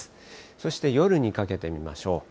そして夜にかけて見ましょう。